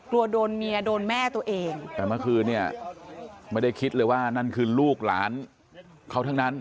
กลัวโดนเมียโดนแม่ตัวเองแต่เมื่อคืนเนี่ยไม่ได้คิดเลยว่านั่นคือลูกหลานเขาทั้งนั้น